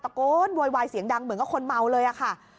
โกนโวยวายเสียงดังเหมือนกับคนเมาเลยค่ะ